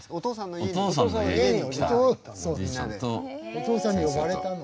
お父さんに呼ばれたの。